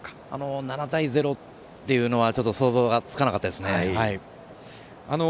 ７対０というのは想像がつかなかったですね。